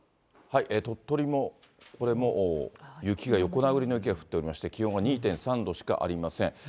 鳥取もこれも雪が横殴りの雪が降っておりまして、気温は２．３度しかありません。